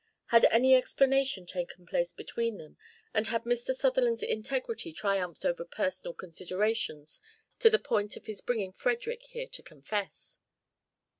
Had any explanation taken place between them, and had Mr. Sutherland's integrity triumphed over personal considerations to the point of his bringing Frederick here to confess?